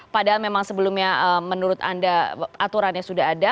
padahal memang sebelumnya menurut anda aturannya sudah ada